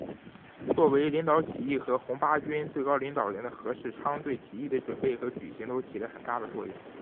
作为领导起义和红八军最高领导人的何世昌对起义的准备和举行都起了很大的作用。